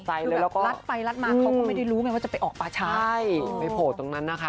ใช่คือแบบรัดไปรัดมาเขาก็ไม่ได้รู้ไหมว่าจะไปออกป่าช้าโอ้โฮตรงนั้นนะคะ